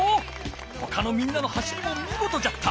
ほかのみんなの走りもみごとじゃった！